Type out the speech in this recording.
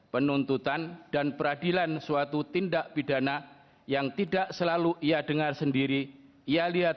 penuntutan dan peradilan suatu tindak pidana yang tidak selalu ia dengar sendiri ia lihat